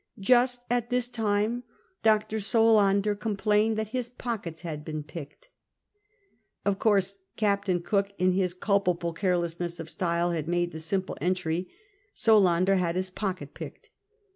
Just at this time Dr. Solander complained that his pockets had been picked." Of course Captain Cook, in his culpable carelessness of style, had made the simple entry, Solander had his pocket picked."